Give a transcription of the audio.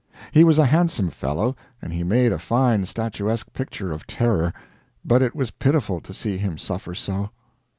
He was a handsome fellow, and he made a fine statuesque picture of terror, but it was pitiful to see him suffer so.